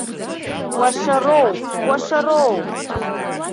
Кәашароуп, кәашароуп!